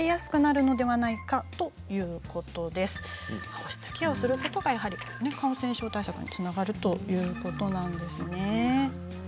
保湿ケアをすることが感染症対策につながるということなんですね。